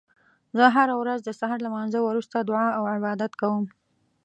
زه هره ورځ د سهار لمانځه وروسته دعا او عبادت کوم